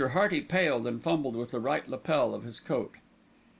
Hearty paled and fumbled with the right lapel of his coat.